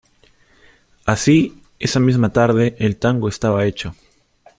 Así esa misma tarde el tango estaba hecho.